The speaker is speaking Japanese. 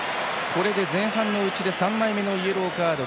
これで前半３枚目のイエローカード。